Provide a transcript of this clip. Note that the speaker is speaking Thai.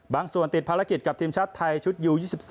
ส่วนติดภารกิจกับทีมชาติไทยชุดยู๒๒